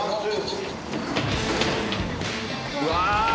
うわ！